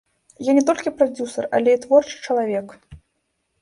Я не толькі прадзюсар, але і творчы чалавек.